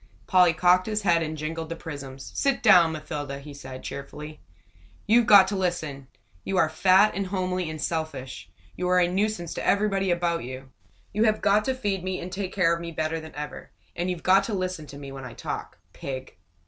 Polly cocked his head and jingled the prisms. "Sit down, Mathilda!" he said, cheerfully. "You've got to listen. You are fat and homely and selfish. You are a nuisance to everybody about you. You have got to feed me and take care of me better than ever and you've got to listen to me when I talk. Pig!"